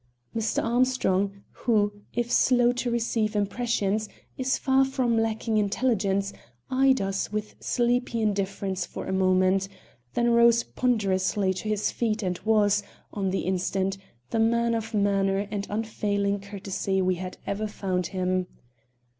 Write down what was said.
Mr. Armstrong, who, if slow to receive impressions, is far from lacking intelligence, eyed us with sleepy indifference for a moment, then rose ponderously to his feet and was, on the instant, the man of manner and unfailing courtesy we had ever found him.